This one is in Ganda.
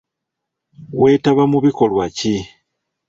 Weetaba mu bikolwa ki?